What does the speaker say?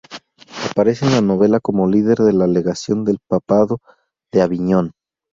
Aparece en la novela como líder de la legación del papado de Aviñón.